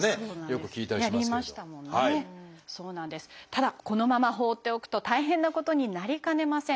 ただこのまま放っておくと大変なことになりかねません。